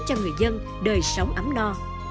cho người dân đời sống ấm no